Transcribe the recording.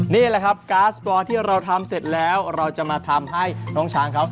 นี่แหละครับก๊าซบอลที่เราทำเสร็จแล้วเราจะมาทำให้น้องช้างเขา